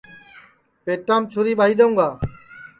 پیٹام چُھری ٻائی دؔیوں گا